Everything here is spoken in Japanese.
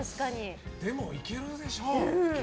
でも、行けるでしょう。